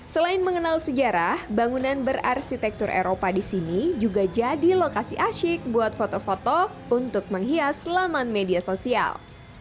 selain mengenal sejarah bangunan berarsitektur eropa di sini juga jadi lokasi asyik buat foto foto untuk menghias laman media sosial